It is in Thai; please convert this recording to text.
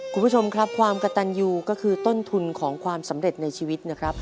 คุณผู้ชมครับความกระตันยูก็คือต้นทุนของความสำเร็จในชีวิตนะครับ